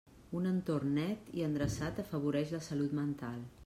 Un entorn net i endreçat afavoreix la salut mental.